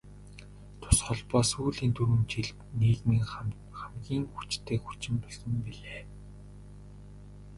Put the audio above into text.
Тус холбоо сүүлийн дөрвөн жилд нийгмийн хамгийн хүчтэй хүчин болсон билээ.